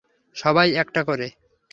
সবাই এটা করে।